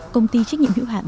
công ty trách nhiệm hữu hạng